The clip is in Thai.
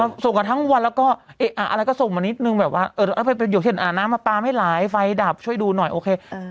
เขาส่งกันทั้งวันแล้วก็เอ๊ะอ่าอะไรก็ส่งมานิดนึงแบบว่าเออเอาไปไปเดี๋ยวเห็นอ่าน้ำปลาไม่หลายไฟดับช่วยดูหน่อยโอเคอืม